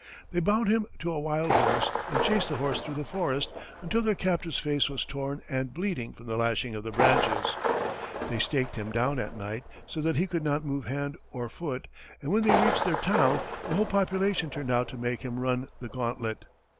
They bound him to a wild horse and chased the horse through the forest until their captive's face was torn and bleeding from the lashing of the branches; they staked him down at night so that he could not move hand or foot, and when they reached their town, the whole population turned out to make him run the gauntlet.